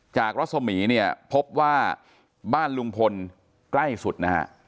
รัศมีร์เนี่ยพบว่าบ้านลุงพลใกล้สุดนะฮะ